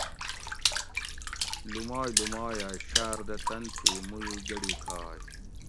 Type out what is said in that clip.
لومائ لومائ ھہ شاردہ تن تھی مو یو گۤڑی کھائ